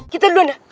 kita duluan deh